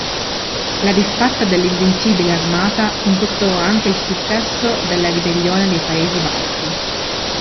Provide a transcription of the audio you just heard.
La disfatta dell'Invincibile Armata comportò anche il successo della ribellione dei Paesi Bassi.